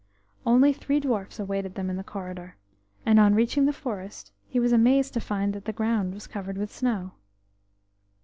Only three dwarfs awaited them in the corridor, and on reaching the forest he was amazed to find that the ground was covered with snow.